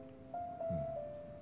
うん。